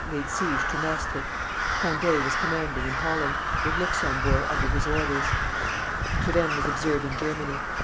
laid siege to Maestricht; Conde was commanding in Holland, with Luxembourg under his orders; Turenne was observing Germany.